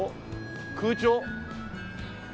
空調？